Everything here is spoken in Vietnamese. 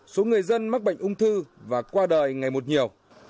số người dân mắc bệnh ung thư và qua đời ngày một nhiều